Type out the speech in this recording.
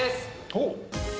おっ。